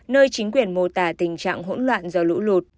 nơi chính quyền mô tả tình trạng hỗn loạn do lũ lụt